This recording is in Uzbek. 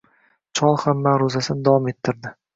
Chol ham ma`ruzasini davom ettirdi